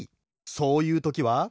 そういうときは。